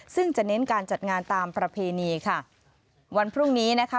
ซึ่งจะเน้นการจัดงานตามประเพณีค่ะวันพรุ่งนี้นะคะ